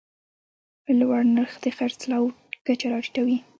لوړ نرخ د خرڅلاو کچه راټیټوي.